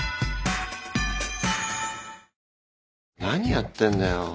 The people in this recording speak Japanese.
何やってんだよ。